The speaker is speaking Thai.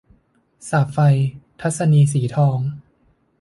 สาปไฟ - ทัศนีย์ สีทอง